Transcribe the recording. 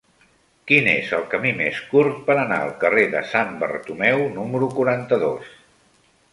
Quin és el camí més curt per anar al carrer de Sant Bartomeu número quaranta-dos?